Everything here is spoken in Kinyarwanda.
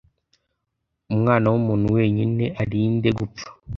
Umwana w'umuntu wenyine arinde gupfa